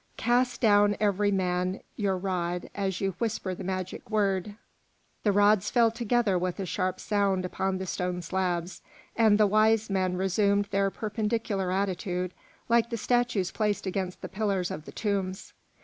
"Cast down every man your rod as you whisper the magic word." The rods fell together with a sharp sound upon the stone slabs, and the wise men resumed their perpendicular attitude like the statues placed against the pillars of the tombs.